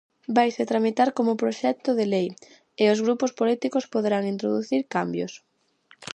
Vaise tramitar como proxecto de lei, e os grupos políticos poderán introducir cambios.